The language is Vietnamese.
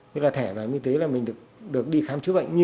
thế là thẻ bảo hiểm y tế là mình được đi khám chứa bệnh